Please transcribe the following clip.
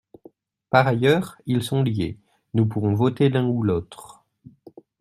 Par ailleurs, ils sont liés : nous pourrons voter l’un ou l’autre.